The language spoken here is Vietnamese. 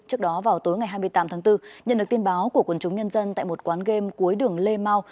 trước đó vào tối ngày hai mươi tám tháng bốn nhận được tin báo của quần chúng nhân dân tại một quán game cuối đường lê mau